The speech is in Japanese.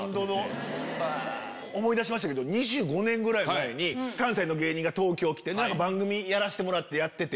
思い出しましたけど２５年ぐらい前に関西の芸人が東京来て番組やらせてもらってやってて。